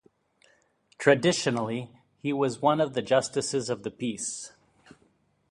Traditionally, he was one of the justices of the peace.